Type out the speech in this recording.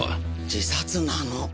自殺なの。